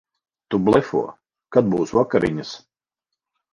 Tu blefo. Kad būs vakariņas?